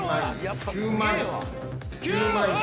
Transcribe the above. ９万円。